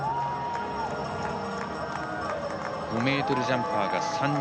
５ｍジャンパーが３人。